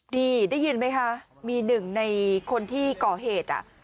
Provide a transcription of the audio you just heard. ได้ยินไหมคะมีหนึ่งในคนที่ก่อเหตุ